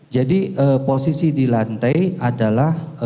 jadi posisi di lantai adalah